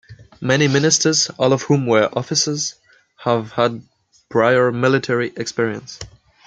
Many ministers, all of whom were officers, have had prior military experience.